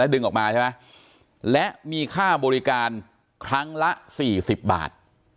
และให้มีค่าบริการครั้งละ๔๐บาท